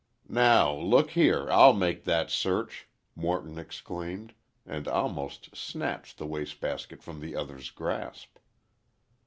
"Now, look here, I'll make that search," Morton exclaimed, and almost snatched the waste basket from the other's grasp.